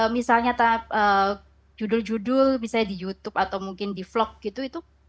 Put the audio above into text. misalnya judul judul misalnya di youtube atau mungkin di vlog gitu itu